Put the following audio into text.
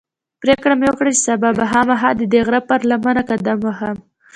پرېکړه مې وکړه چې سبا به خامخا ددې غره پر لمنه قدم وهم.